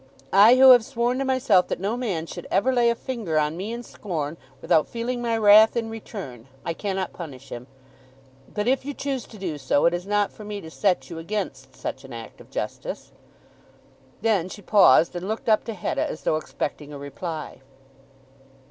I, who have sworn to myself that no man should ever lay a finger on me in scorn without feeling my wrath in return, I cannot punish him. But if you choose to do so it is not for me to set you against such an act of justice." Then she paused and looked up to Hetta as though expecting a reply.